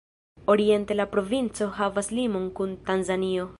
Oriente la provinco havas limon kun Tanzanio.